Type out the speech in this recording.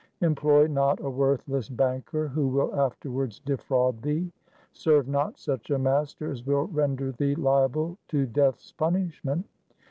Employ not a worthless banker who will afterwards defraud thee. Serve not such a master as will render thee liable to Death's punishment.